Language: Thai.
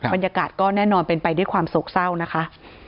บรรยากาศก็แน่นอนเป็นไปด้วยความโศกเศร้านะคะ